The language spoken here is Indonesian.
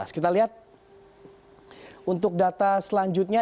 kita lihat untuk data selanjutnya